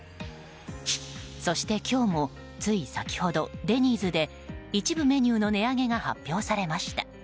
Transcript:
そして今日もつい先ほどデニーズで一部メニューの値上げが発表されました。